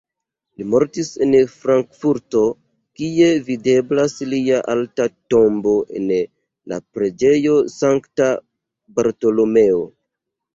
Li mortis en Frankfurto, kie videblas lia alta tombo en la Preĝejo Sankta Bartolomeo.